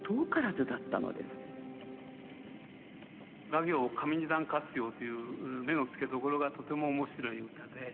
「ガ行上二段活用」という目の付けどころがとても面白い歌で。